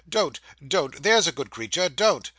Don't, don't, there's a good creature, don't.